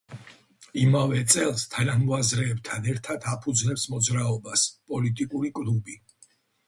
იმავე წელს თანამოაზრეებთან ერთად აფუძნებს მოძრაობას „პოლიტიკური კლუბი“.